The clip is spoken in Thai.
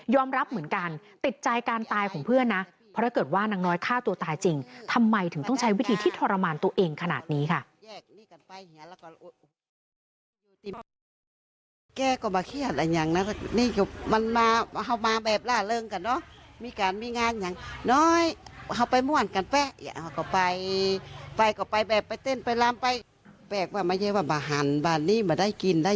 รับเหมือนกันติดใจการตายของเพื่อนนะเพราะถ้าเกิดว่านางน้อยฆ่าตัวตายจริงทำไมถึงต้องใช้วิธีที่ทรมานตัวเองขนาดนี้ค่ะ